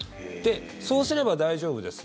そうすれば大丈夫です。